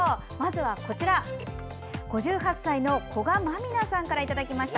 ５８歳の古賀麻美奈さんからいただきました。